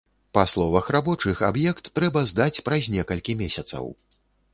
Па словах рабочых, аб'ект трэба здаць праз некалькі месяцаў.